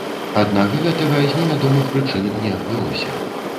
Аднак гэтага з невядомых прычын не адбылося.